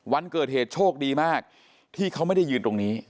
วันเกิดเหตุโชคดีมากที่เขาไม่ได้ยืนตรงนี้